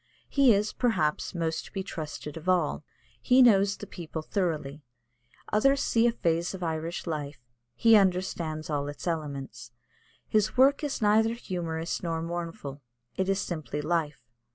He is, perhaps, most to be trusted of all. He knows the people thoroughly. Others see a phase of Irish life; he understands all its elements. His work is neither humorous nor mournful; it is simply life.